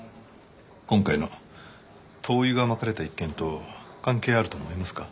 今回の灯油が撒かれた一件と関係あると思いますか？